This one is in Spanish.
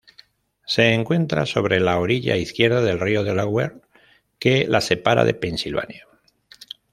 Se encuentra sobre la orilla izquierda del río Delaware que la separa de Pensilvania.